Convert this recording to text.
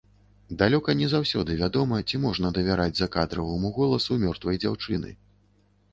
Далёка не заўсёды вядома, ці можна давяраць закадраваму голасу мёртвай дзяўчыны.